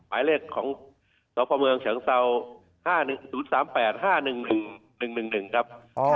หมายเลขของตพเฉียงเศร้า๐๓๘๕๑๑๑๑ครับ